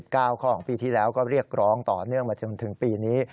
ข้อของปีที่แล้วก็เรียกร้องต่อเนื่องมาจนถึงปีนี้